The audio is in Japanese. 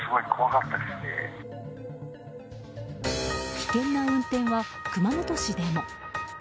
危険な運転は熊本市でも。